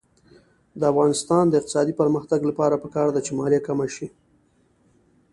د افغانستان د اقتصادي پرمختګ لپاره پکار ده چې مالیه کمه شي.